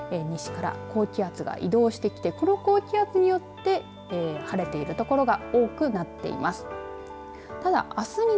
西から高気圧が移動してきてこの高気圧によって晴れている所が多くなっています。